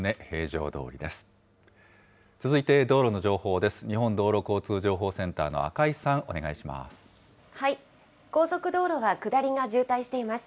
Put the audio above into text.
日本道路交通情報センターの赤井さん、お願いします。